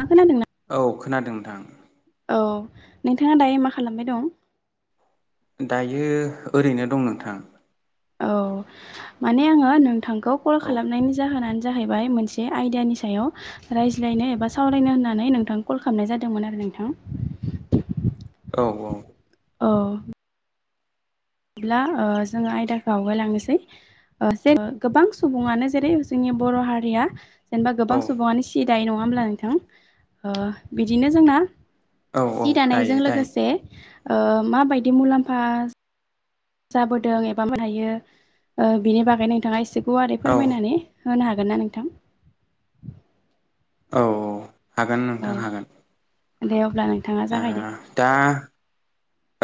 नोंथाङा खोनादोंना? औ खोनादों नोंथां। औ नोंथाङा दायो मा खालामबाय दं? दायो ओरैनो दं नोंथां। औ माने आङो नोंथांखौ कल औ खालामनायनि जाहोनानो जाहैबाय मोनसे आइदानि सायाव रायज्लायनो एबा सावरायनो होन्नानै नोंथां कल खालामनाय जादोंमोन आरोना नोंथां औ औ औ जोङो आयदाखौ आवगायलांनोसै जे गोबां सुबुङानो जेरै जोंनि बर' हारिया जेनेबा औ गोबां सुबुङानो सि दायो नङा होमब्ला नोंथां बिदिनो जोंना औ औ सि दायो दानायजों दायो लोगोसे ओ माबायदि मुलाम्फा जाबोदों एबा हायो बिनि बागै नोंथाङा एसे गुवारै औ फोरमायनानै होनो हागोन ना नोंथां? औ औ हागोन नोंथां हागोन। दे अब्ला नोंथाङा ओ जागायदो। दा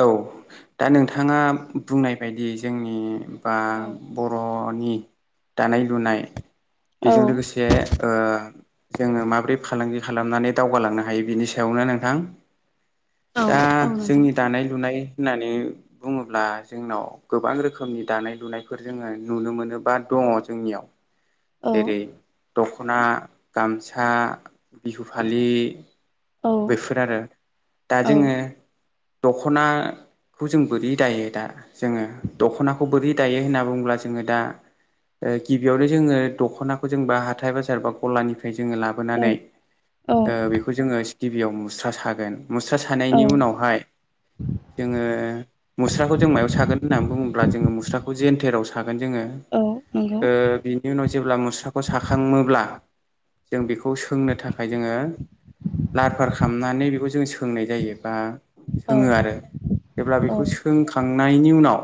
औ दा नोंथाङा बुंनाय बायदि जोंनि बा औ बर'नि दानाय-लुनाय बेजों लोगोसे ओ जोङो माबोरै फालांगि खालामनानै दावगालांनो हायो बिनि सायावनो नोंथां औ दा औ नोंथां जोंनि दानाय लुनाय होननानै बुङोब्ला जोंनाव गोबां रोखोमनि दानाय लुनायफोर जोङो नुनो मोनो। श [unintelligible] दङ जोंनियाव औ जेरै- दख'ना गामसा बिहु फालि औ बेफोर आरो दा औ जोङो दख'ना खौ जों बोरै दायो दा जोङो दख'नाखौ बोरै दायो होनना बुङोब्ला जोङो दा गिबियावनो जोङो दख'नाखौ जोंबा हाथाय बाजार बा गलानिफ्राय जोङो औ लाबोनानै औ बेखौ जोङो गिबियाव मुस्रा सागोन मुस्रा सानायनि औ उनाव हाय जोङो मुस्राखौ जों मायाव सागोन होननानै बुङोब्ला जोङो मुस्राखौ जेन थेराव गोन जोङो औ नंगौ ओ बिनि उनाव जेब्ला मुस्राखौ साखांब्ला जों बेखौ सोंनो थाखाय जोङो सारफार खालामनानै बेखौ जों सोंनाय जायो बा औ सोङो आरो जेब्ला बेखौ औ सोंखां नायनि उनाव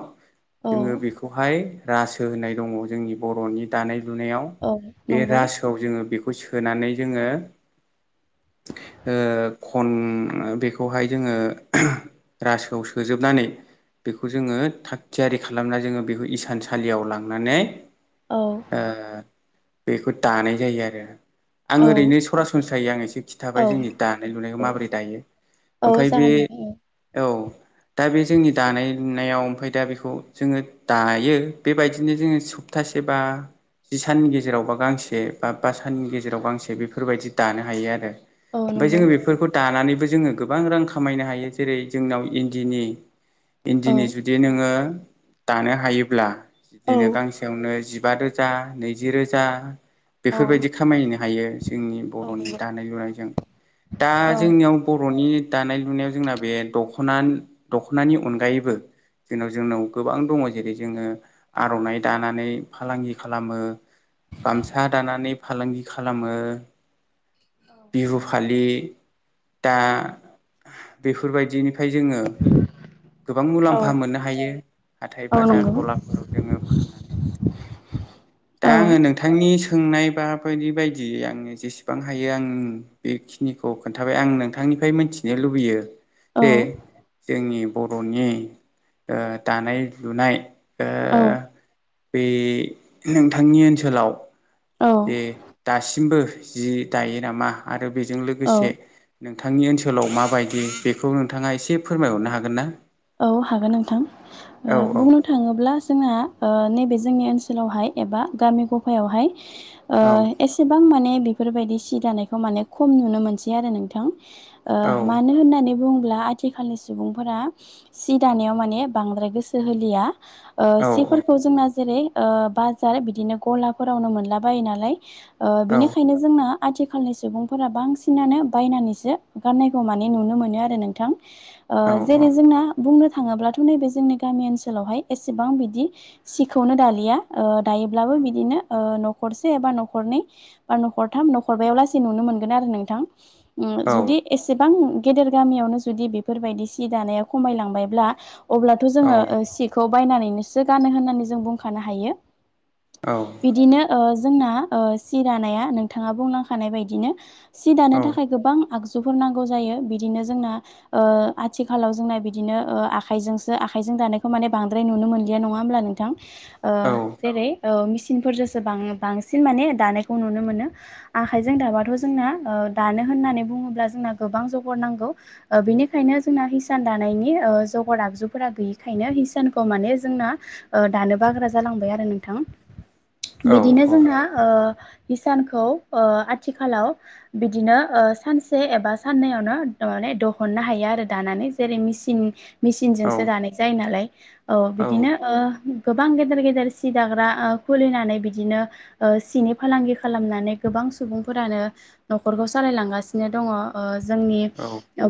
औ जोङो बेखौहाय राजो होनाय दङ जोंनि बर'नि दानाय फुनायाव औ बे नंगौ रासोआव जोङो बेखौ सोनानै जोङो ओ खन बेखौहाय जोङो रासोआव सोजोबनानै बेखौ जोङो थाग थियारि खालामना जोङो बेखौ इसानसालियाव लांनानै औ ओ बेखौ दानाय जायो आरो आं औ ओरैनो सरासनस्रायैं एसे खि औ जोंनि दानाय लुनायखौ माबोरै दायो औ ओमफ्राय बे जागोन नोंथां औ दा बे जोंनि दानायनायाव ओमफफ्राय दा बेखौ जोङो दायो बेबायदिनो जोङो सप्तासे सेबा जि साननि गेजेरावबा गांसे बा बा साननि गेजेराव गांसे बेफोरबायदि दानो हायो आरो औ ओमफ्राय नंगौ जोङो बेफोरखौ दानानैबो जोङो गोबां रां खामायनो हायो जेरै जोंनाव इन्दिनि औ इन्दिनि जुदि नोङो दानो हायोब्ला औ बिदिनो गांसेयावनो जिबा रोजा नैजि रोजा औ बेफोरबायदि खामायनो हायो जोंनि औ बरनि नंगौ दानाय लुनायजों दा औ जोंनियाव बर नि दानाय लुनायाव जोंना बे दखना दखनानि अनगायैबो जोंनाव जोंनाव गोबां दङ जेरै जोङो आरनाइ दानानै फालांगि खालामो गामसा दानानै फालांगि खालामो बिहु फालि दा बेफोरबायदिन फाय जोङो गोबां औ मुलाम्फा मोननो हायो हाथाय औ बाजार नंगौ गलाफोराव जोङो फाननानै दा औ आङो नोंथांनि सोंनाय बा बायदि बायदि आङो जेसेबां हायो आं बेखिनिखौ खोन्थाबाय आंनो नोंथांनिफ्राय मिथिनो लुबैयो औ जे जोंनि बरनि ओ दानाय लुनाय ओ बे नोंथांनि ओनसोलाव जे दासिमबो जि दायो नामा आरो बेजों औ लोगोसे नों थांनि ओनसोलाव माबायदि बेखौ नोंथाङा एसे फोरमायहरनो हागोन ना? औ हागोन नोंथां औ औ बुंनो थाङोब्ला जोंना ओ नैबे जोंनि ओनसोलावहाय एबा गामि गफायावहाय ओ औ एसेबां माने बेफोरबायदि सि दानायखौ माने खम नुनो मोनसै आरो नोंथां ओ मानो होननानै बुं ब्ला आथिखालनि सुबुंफोरा सि दानायाव माने बांद्राय गोसो होलिया ओ औ सिफोरखौ जोंना जेरै ओ बाजार बिदिनो गलाफोरावनो मोनला बायो नालाय ओ औ बिनिखायनो जोंना आथिखालनि सुबुंफोरा बांसिनानो बायनानैसो गाननायखौ माने नुनो मोनो आरो नोंथां औ आ औ जेरै जोंना बुंनो थाङोब्लाथ नैबे जोंनि गामि ओनसोलावहाय एसेबां बिदि सिखौनो दालिया ओ दायोब्लाबो बिदिनो ओ न खरसे बा नखरनै बा नखरथाम नखरबायाव लासे नुनो मोनगोन आरो नोंथां। उम जुदि एसेबां गेदेर गामियावनो जुदि बेफोरबायदि सि दानाया खमायलांबायब्ला अब्लाथ जोङो सिखौ बायनानैनोसो गानो होननानै जों बुंखानो हायो बिदिनो ओ जोंना ओ सि दानाया नोंथाङा बुंलांखानाय बायदिनो सि दानो थाखाय गोबां आगजुफोर नांगौ जायो बिदिनो जोंना ओ आथिखालाव जोंना बिदिनो ओ आखाइजोंसो आखाइजों दानायखौ माने बांद्राय नुनो मोन्लिया नङा होमब्ला नोंथां? ओ जेरै ओ मेसिन [unintelligible] फोरजोंसो बांसिन माने दानायखौ नुनो मोनो आखायजों दाबाथ जोंना ओ दानो होन्नानै बुङोब्ला जोंना गोबां जगार नांगौ ओ बेनिखायनो जोंना हिसान दानायनि जगार आगजुफोरा गैयैखायनो हिसानखौ माने जोंना ओ दानो बाग्रा जालांबाय आरो नोंथां बिदिनो जोंना ओ हिसानखौ ओ आथिखालाव बिदिनो सानसे एबा साननैयावनो माने दिहुन्नो हायो आरो दानानै जेरै मसिन मिसिनजोंसो दानाय जायो नालाय औ बिदिनो ओ गोबां गेदेर गेदेर सि दाग्रा खुलिनानै बिदिनो ओ सिनि फालांगि खालामनानै गोबां सुबुंफोरानो नखरखौ सालायलांगासिनो दङ ओ जोंनि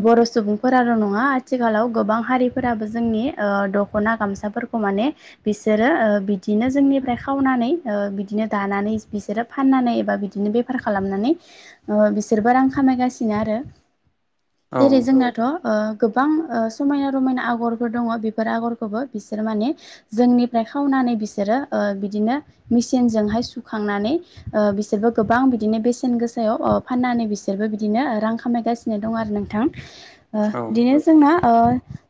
बर सुबुंफोराल नङा। आथिखालाव गोबां हारिफोराबो जोंनि ओ दखना गामसाफोरखौ माने बिसोरो ओ बिदि -नो जोंनिफ्राय खावनानै बिदिनो दानानै बिसोरो फाननानै एबा बिदिनो बेफार खालामनानै ओ बिसोरबो रां खामायगासिनो आरो जेरै जोंनाथ ओ गोबां समायना रमायना आगरफोर दङ बेफोर आगरखौबो बिसोर माने जोंनिफ्राय खावनानै बिसोरो ओ बिदिनो मिसिनजोंहाय सुखा‌ंनानै ओ बिसोरबो गोबां बिदिनो बेसेन गोसायाव फाननानै बिसोरबो बिदिनो रां खामायगासिनो दं आरो नोंथां ओ औ बि ओ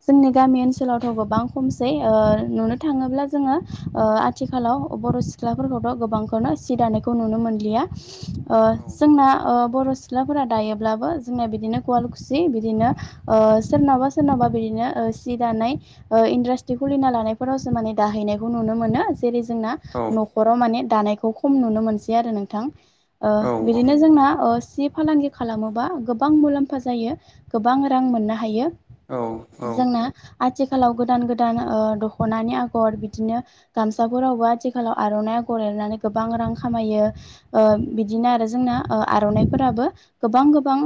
जोंनि गामि ओनसोलावथ' गोबां खमसै ओ नुनो थाङोब्ला जोङो ओ आथिखालाव बर' सिख्लाफोरखौथ' गोबांखौनो सि दानायखौ नुनो मोनलिया। ओ जोंना बर' सिख्लाफोरा दायोब्लाबो जोंनिया बिदिनो कवालकुसि बिदिनो ओ सोरनावबा सोरनावबा ओ बिदिनो सि दानाय ओ इन्डासट्रि खुलिना लानायफोरावसो माने दाहैनायखौ नुनो नो मोनो जेरै जोंना न'खराव माने दानायखौ खम नुनो मोनसै आरो नोंथां। ओ बिदिनो जोंना ओ सि फालांगि खालामोबा गोबां मुलाम्फा जायो गोबां रां मोननो हायो। जोंना आथिखा खालाव गोदान गोदान दख'नानि आगर बिदिनो गामसाफोरावबो आथिखालाव आर'नाइ आगर एर एरनानै गोबां रां खामायो बिदिन आरो जोंना ओ आरनाय फोराबो गोबां गोबां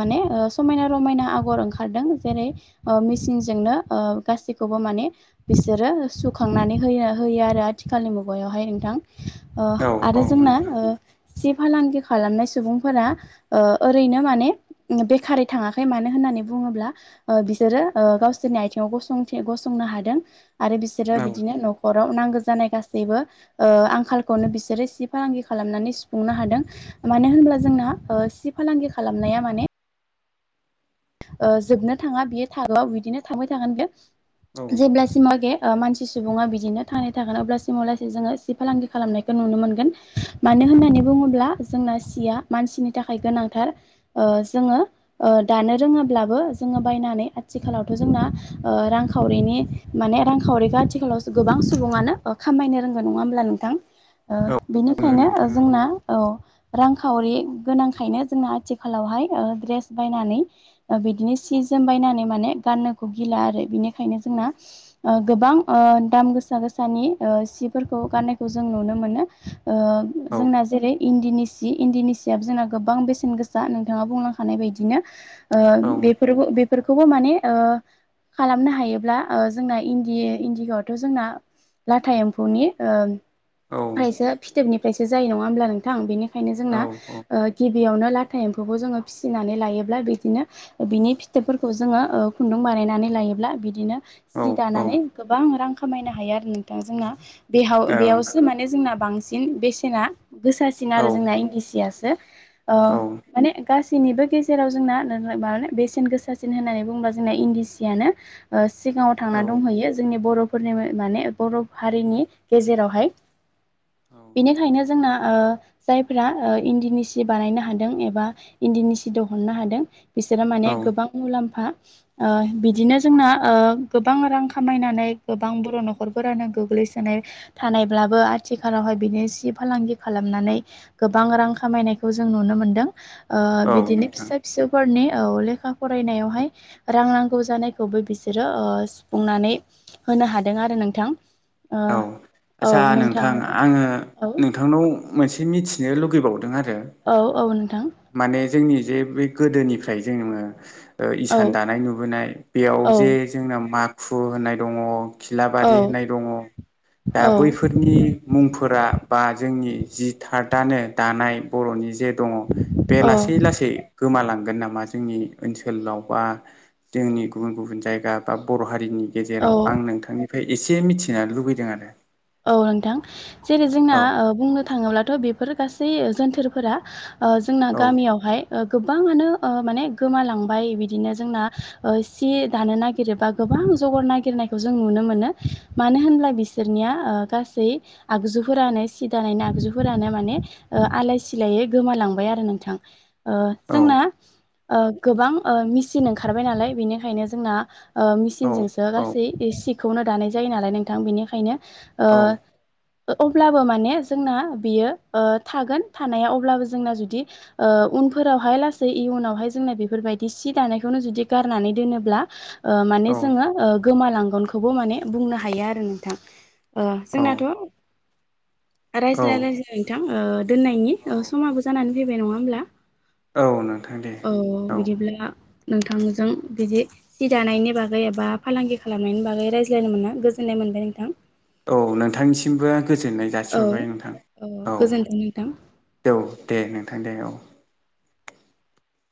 माने ओ समायना रमायना आगर ओंखार दों जेरै ओ मेचनजोंनो ओ गासैखौबो माने बिसोरो सुखांनानै होयो होयो आरो आथिखालनि मुगायावहाय नोंथां। ओ आरो जोंना ओ सि फालांगि खालामनाय सुबुंफोरा ओ ओरैनो माने बेखारै थाङाखै मानो होननानै बुङोब्ला बिसोरो गावसोरनि आथिाव गंनो हादों आरो बिसोरो बिदिनो न'खराव नांगौ जानाय गासैबो ओ आंखालखौनो बिसोरो सि फालांगि खालामनानै सुफुंनो हा दों मानो होनब्ला जोंना सि फालांगि खालामनाया माने ओ जोबनो थाङा बियो थागो बिदिनो थांबाय थागोन बे जेब्लासिमा आ लागे बेे मानसि सुबुङा बिदिनो थांनानै थागोन अब्लासिम अ जोङो सि फालांगि खालामनायखौ नुनो मोनगोन मानो मानो होननानै बुङोब्ला जोंना सिया मानसिनि थाखाय गोनांथार ओ जोङो ओ दानो रोङाब्लाबो जोङो बायनानै आथिखालावथ' जोंना रांखावरिनि माने राखाववरि गा आथिखालावसो गोबां सुबुङानो खामायनो रोंगौ नङा होमब्ला नोंथां। ओ बेनिखायनो नोंथाङा जोंना औ रां रांखावरि गोनांखायनो जोंना आथिखालावहाय ओ ड्रेस बायनानै बिदिनो सि जोम बायनानै माने गाननोखौ गिला आरो बिनिखायनो जोंना ओ गोबां ओ औ दाम गोसा गोसा सानि सिफोरखौ गाननायखौ जों नुनो मोनो ओ औ औ जोंना जेरै इन्दिनि सि इन्दिनि सियाबो जोंना गोबां बेसेन गोसा नोंथाङा बुंलां खानाय बायदिनो ओ औ बेफोरबो बे फोरखौबो माने ओ खालामनो हायोब्ला ओ जोंना इन्दि इन्डियाआवथ' जोंना लाथा एम्फौनि ओ फायसो फिथोबनिफ्रायसो जायो नङा होमब्ला नोंथां बेनिखायनो जोंना औ गि बियावनो लाथा एम्फौखौ जोङो फिसिनानै लायोब्ला बिदिनो बिनि फिथोबफोरखौ जोङो ओ खुन्दुं बानायनानै लायोब्ला बिदिनो औ सि औ दानानै गोबां रां खामायनो हायो आरो नोंथाङा जोंना बेहाव औ बेयावसो माने जोंना बांसिन बेसेना गोसासिन आरो जोंना इंन्दिसियासो। ओ माने गासैनिबो गेजेराव जोंना [unintelligible] बेसेन गोसासिन होननानै बुङोब्ला जोंना इन्दि सियानो ओ सिगांआव औ थांना दंहैयो। जोंनि बर'फोरनि माने बर' हारिनि गेजेरावहाय। औ बेनिखायनो जोंना ओ जायफ्रा ओ इन्दिनि सि बानायनो हादों एबा इन्दिनि सि द हननो हादों बिसोरो औ माने गोबां मुलाम फा ओ बिदिनो जोंना ओ गोबां रां खामायनानै गोबां बर' न'खरफोरानो गोग्लैसोनाय थानायब्लाबो आथिखालावहाय बिनि सि फालांगि खालामनानै गोबां रां खामायनायखौ जों नुनो मोन्दों ओ औ बिदिनो नोंथां फिसा फिसौ फोरनि औ लेखा फरायनायावहाय रां नांगौ जानायखौबो बिसोरो ओ सुफुंनानै होनो हादों आरो नोंथां। ओ औ औ आदसा नोंथां नोंथाङाबो आङो औ नोंथांनाव मोनसे मिथिनो लुगैबाव औ औ नोंथां। जोंनि जे बे गोदोनिफ्राय जोंङो। ओ औ इसान दानाय नुबोनाय बेयाव औ जे जोंना माखु होननाय दङ। औ खिलाबारि होननाय दङ। दा औ बैफोरनि मुं। फोरा बा जोंनि जि थार्डआनो दानाय बरनि जे। दङ बे लासै लासै गोमालांगोन नामा जोंनि ओनसोलाव बा। जोंनि गुबुन गुबुन जायगा बा बर हारिनि। औ गेजेराव आं नोंथांनिफ्राय एसे मिथिनो लुबैदों आरो। औ नोंथां जेरै जोंना औ बुंनो थाङोब्ला। थ बेफोर गासै जोनथोरफोरा ओ जोंना औ गामियावहाय। गोबाङानो माने गोमालांबाय बिदिनो जोंना ओ सि दानो नागिरोबा। गोबां जगार नागिरनायखौ जों नुनो मोनो मानो होनब्ला बिसोरनिया। ओ गासै आगजुफोरानो सि दानायनि आगजुफोरानो माने ओ आलाय सिलायै गोमालां। लांबाय आरो नोंथां। ओ औ जोंना ओ गोबां ओ मिसिन ओंखारबाय नालाय बेनिखायनो जोंना। ओ औ मिसिनजोंसो औ गासै सिखौनो दानाय जायो नालाय नोंथां बेनिखायनो ओ। औ अब्लाबो माने जोंना बियो थागोन थानाया अब्लाबो जोंना जुदि ओ। उनफोरावहाय लासै इयनावहाय जोंना बेफोरबायदि सि दानायखौनो जुदि गारनानै दोनोब्ला। ओ माने जोंङो ओ गोमालांगोनखौबो माने ओ बुंनो हायो आरो नोंथां। ओ औ जोंनाथ। औ रायज्लाय रायज्लाय नोंथां ओ दोननायनि ओ समाबो जानानै फैबाय नङा होमब्ला। औ नोंथां दे औ। नोंथांजों बिदि सि दानायनि बागै एबा फालांगि खालामनायनि बागै रायज्लायनो मोना। गोजोननाय मोनबाय नोंथां। औ नोंथांनिसिमबो गोजोननाय। औ जासिहरबाय नोंथां औ गोजोनथों नोंथां। औ दे नोंथां दे औ।